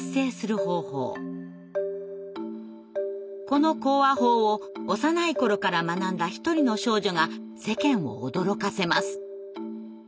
この口話法を幼い頃から学んだ一人の少女が世間を驚かせます。